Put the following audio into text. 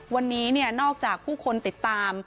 วันนี้นอกจากผู้คนติดตาม